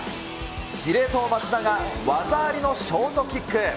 司令塔、松田が、技ありのショートキック。